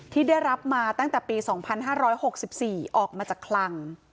ที่ได้รับมาตั้งแต่ปีสองพันห้าร้อยหกสิบสี่ออกมาจากคลัง